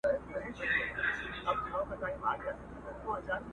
پسرلی سو ژمی ولاړی مخ یې تور سو٫